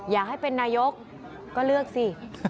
อยากให้เป็นนายกก็เลือกสิ